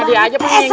kadeh aja pengen jawab